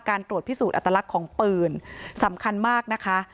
การตรวจพิสูจน์อัตลักษณ์ของปืนสำคัญมากนะคะ